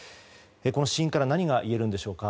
この死因から何が言えるんでしょうか。